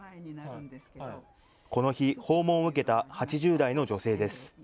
この日、訪問を受けた８０代の女性です。